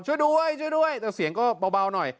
ช่วยด้วยช่วยด้วยแต่เสียงก็เบาหน่อย